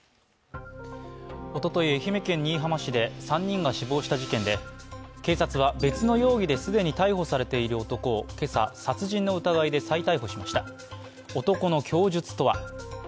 おととい、愛媛県新居浜市で３人が死亡した事件で警察は、別の容疑で既に逮捕されている男を今朝、殺人の疑いで再逮捕しました男の供述とは。